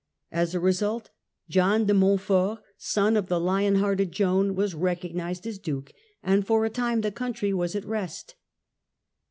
As a result, John de Mont fort, son of the lion hearted Joan, was recognised as Duke, and for a time the country was at rest.